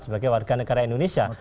sebagai warga negara indonesia